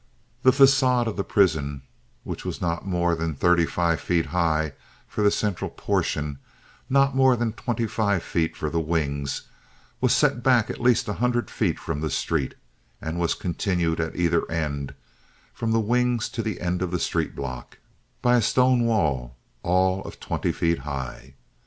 The facade of the prison, which was not more than thirty five feet high for the central portion, nor more than twenty five feet for the wings, was set back at least a hundred feet from the street, and was continued at either end, from the wings to the end of the street block, by a stone wall all of twenty feet high.